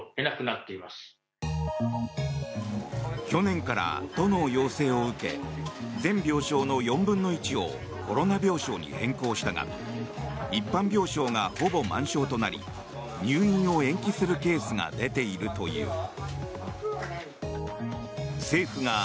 去年から都の要請を受け全病床の４分の１をコロナ病床に変更したが一般病床がほぼ満床となり入院を延期するケースが出ているという。